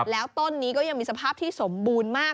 แล้วต้นนี้ก็ยังมีสภาพที่สมบูรณ์มาก